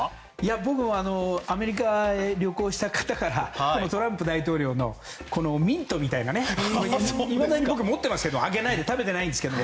僕はアメリカへ旅行したからトランプ大統領のミントみたいなのをいまだに僕持っていますけど開けないで食べてないです。